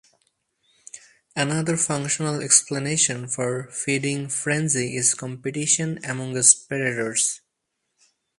Another functional explanation for feeding frenzy is competition amongst predators.